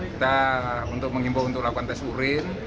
kita untuk menghimbau untuk lakukan tes urin